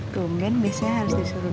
gomen biasanya harus disuruh dukung